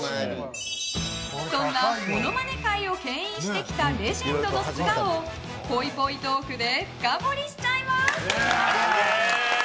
そんなモノマネ界を牽引してきたレジェンドの素顔をぽいぽいトークで深掘りしちゃいます。